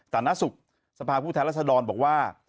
ต่างนักศุกร์สภาพุทธรรษฎรบอกว่า